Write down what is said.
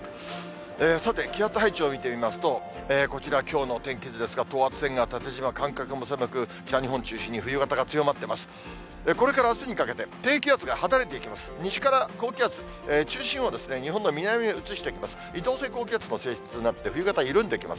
さて、気圧配置を見てみますと、こちら、きょうの天気図ですが、等圧線が縦じま、間隔も狭く、北日本中心に冬型が強まっています。